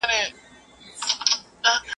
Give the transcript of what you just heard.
o هندو چي بېکاره سي، خپلي خوټي تلي.